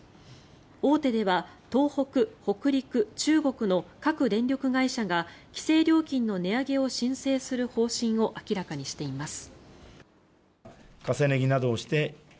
大手では東北、北陸、中国の各電力会社が規制料金の値上げを申請する方針を明らかにしています。